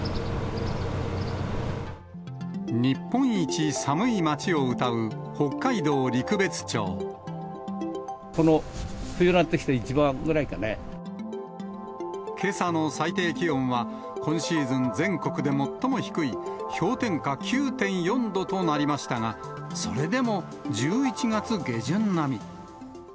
日本一寒い町をうたう北海道この冬になってきて一番ぐらけさの最低気温は、今シーズン全国で最も低い、氷点下９．４度となりましたが、それでも１１月下旬並み。